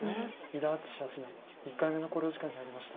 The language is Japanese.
伊田篤史八段１回目の考慮時間に入りました。